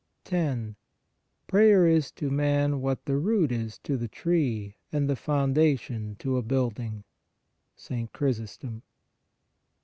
10. Prayer is to man what the root is to the tree and the foundation to a building (St. Chrysostom).